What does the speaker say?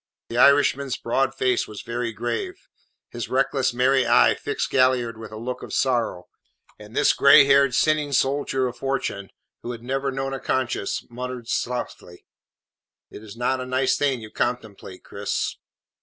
The Irishman's broad face was very grave; his reckless merry eye fixed Galliard with a look of sorrow, and this grey haired, sinning soldier of fortune, who had never known a conscience, muttered softly: "It is not a nice thing you contemplate, Cris."